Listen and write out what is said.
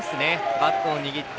バットを握って。